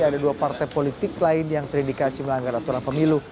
ada dua partai politik lain yang terindikasi melanggar aturan pemilu